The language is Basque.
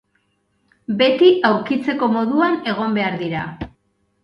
Beti aurkitzeko moduan egon behar dira.